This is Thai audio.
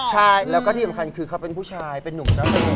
ใช่แล้วก็ดีขนคือเขาเป็นผู้ชายเป็นหนุ่มเจ้าเสน่ห์